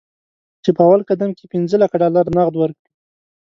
چې په اول قدم کې پنځه لکه ډالر نغد ورکړي.